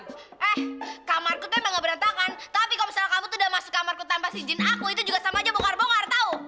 eh kamarku tuh emang gak berantakan tapi kalau misalnya kamu tuh udah masuk kamarku tanpa si jin aku itu juga sama aja bongkar bongkar tau